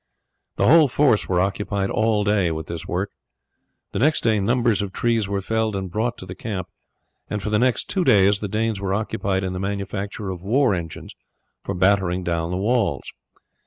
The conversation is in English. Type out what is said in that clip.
The whole force were occupied all day with this work. The next day numbers of trees were felled and brought to the camp, and for the next two days the Danes were occupied in the manufacture of war engines for battering down the walls.